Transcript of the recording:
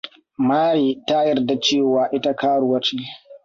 Marie ta yarda cewa ita karuwa ce.